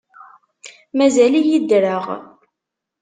Mazal-iyi ddreɣ.